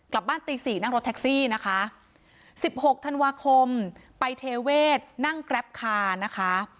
กลับบ้านตีสี่นั่งรถแท็กซี่นะคะสิบหกธันวาคมไปเทเวศนั่งแกรปคานะคะ